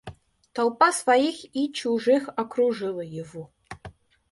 Толпа своих и чужих окружила его.